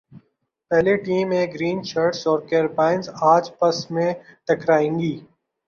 پہلے ٹی میں گرین شرٹس اور کیربیئنز اج پس میں ٹکرائیں گے